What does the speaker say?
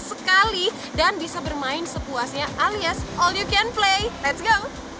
sekali dan bisa bermain sepuasnya alias all you can play let's go